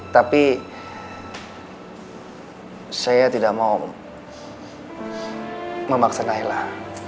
tapi saya tidak mau memaksa naila